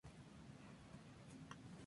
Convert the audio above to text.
Peter Walton fue el árbitro.